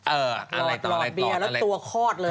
เอออะไรต่อลอดเบียร์แล้วตัวคลอดเลย